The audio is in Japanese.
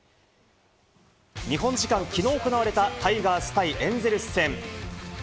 日本時間きのう行われたタイガース対エンゼルス戦。